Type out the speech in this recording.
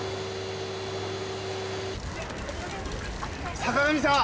坂上さん！